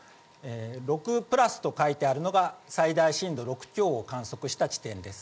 ６プラスと書いてあるのが最大震度６強を観測した地点です。